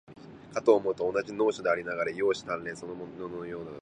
かと思うと、同じ能書でありながら、容姿端麗そのもののようなものもある。